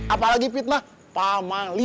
apalagi fitnah pak mali